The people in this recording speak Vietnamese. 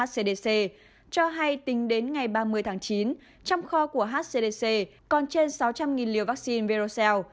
hcdc cho hay tính đến ngày ba mươi tháng chín trong kho của hcdc còn trên sáu trăm linh liều vaccine verocell